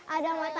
ada mata airnya